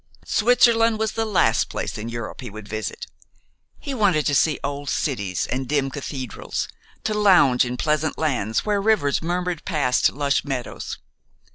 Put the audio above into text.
Switzerland was the last place in Europe he would visit. He wanted to see old cities and dim cathedrals, to lounge in pleasant lands where rivers murmured past lush meadows.